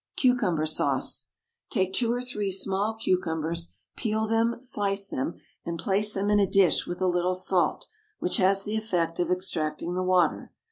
CUCUMBER SAUCE. Take two or three small cucumbers, peel them, slice them, and place them in a dish with a little salt, which has the effect of extracting the water.